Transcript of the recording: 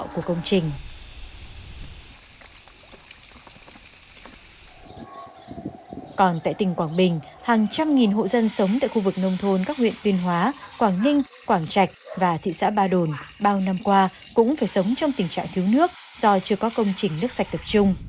còn tại tỉnh quảng bình hàng trăm nghìn hộ dân sống tại khu vực nông thôn các huyện tuyên hóa quảng ninh quảng trạch và thị xã ba đồn bao năm qua cũng phải sống trong tình trạng thiếu nước do chưa có công trình nước sạch tập trung